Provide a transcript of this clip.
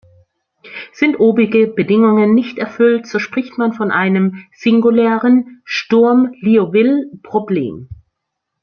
Sind obige Bedingungen nicht erfüllt, so spricht man von einem "singulären Sturm-Liouville-Problem".